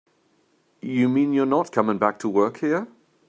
You mean you're not coming back to work here?